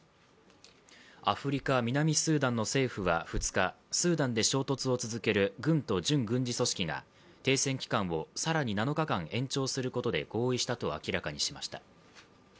アフリカ・南スーダンの政府は２日、スーダンで衝突を続ける軍と準軍事組織が停戦期間を更に７日間延長することで合意したと明らかにしました。